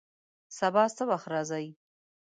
سبا څه وخت راځئ؟